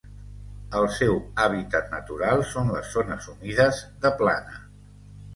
El seu hàbitat natural són les zones humides de plana.